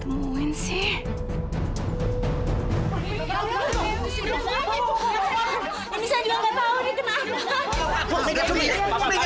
nggak ada dewi